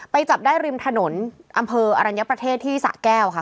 จับได้ริมถนนอำเภออรัญญประเทศที่สะแก้วค่ะ